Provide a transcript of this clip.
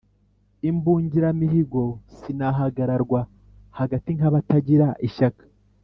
imbungiramihigo sinahagararwa hagati nk'abatagira ishyaka,